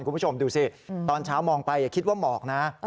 คุณผู้ชมดูสิตอนเช้ามองไปอย่าคิดว่าหมอกนะ